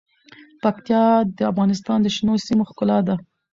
پکتیا د افغانستان د شنو سیمو ښکلا ده.